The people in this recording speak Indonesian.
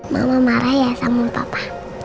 mama marah ya sama papa